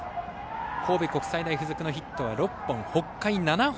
神戸国際大付属のヒットは６本。